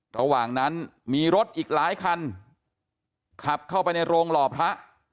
ระหว่างนั้นมีรถอีกหลายคันขับเข้าไปในโรงหล่อพระ